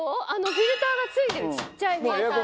フィルターが付いてるちっちゃいフィルターが。